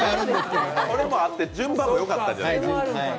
それもあって順番もよかったんじゃないか。